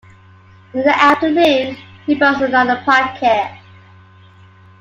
In the afternoon he brought another packet.